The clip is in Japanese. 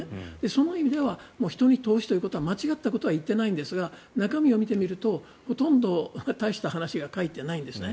その意味では人に投資ということは間違ったことは言っていないんですが中身を見てみるとほとんど大した話が書いてないんですね。